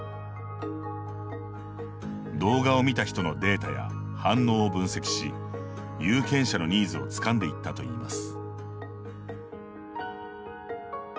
動画を見た人のデータや反応を分析し有権者のニーズをつかんでいったといいます。